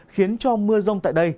khiến cho mưa rông tại đây